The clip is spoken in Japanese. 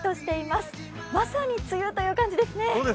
まさに梅雨という感じですね。